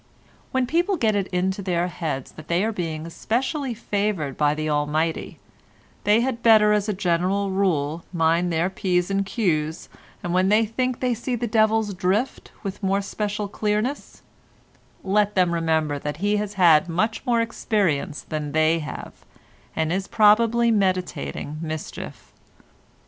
When people get it into their heads that they are being specially favoured by the Almighty, they had better as a general rule mind their p's and q's, and when they think they see the devil's drift with more special clearness, let them remember that he has had much more experience than they have, and is probably meditating mischief.